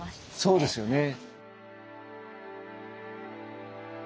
そうですよね。